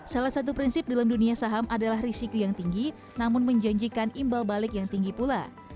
salah satu prinsip dalam dunia saham adalah risiko yang tinggi namun menjanjikan imbal balik yang tinggi pula